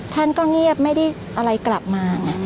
ท่านก็เงียบไม่ได้อะไรกลับมาไง